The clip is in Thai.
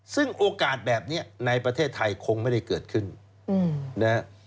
ซึ่งโอกาสแบบนี้ในประเทศไทยคงไม่ได้เกิดขึ้นนะฮะ